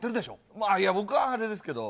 いや、僕はあれですけど。